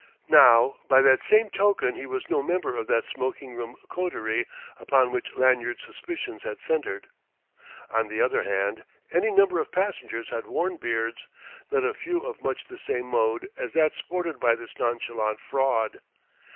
Now by that same token he was no member of that smoking room coterie upon which Lanyard's suspicions had centered. On the other hand, any number of passengers had worn beards, not a few of much the same mode as that sported by this nonchalant fraud.